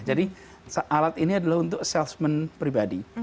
jadi alat ini adalah untuk assessment pribadi